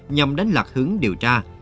nhằm đánh lạc hướng điều tra